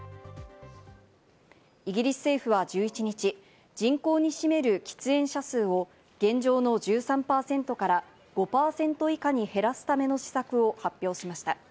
イギリス政府は１１日、人口に占める喫煙者数を現状の１３％から５％以下に減らすための施策を発表しました。